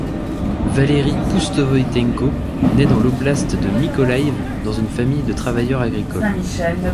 Valeriy Poustovoïtenko naît dans l'oblast de Mykolaïv, dans une famille de travailleurs agricoles.